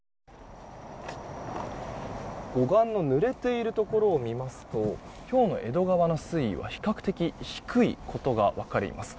護岸のぬれているところ見ますと今日の江戸川の水位は比較的、低いことが分かります。